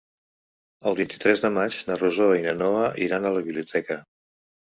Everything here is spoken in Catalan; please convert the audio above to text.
El vint-i-tres de maig na Rosó i na Noa iran a la biblioteca.